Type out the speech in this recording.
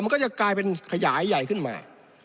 มันก็จะกลายเป็นขยายใหญ่ขึ้นมา